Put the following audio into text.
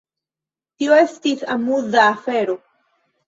Tio estis amuza afero.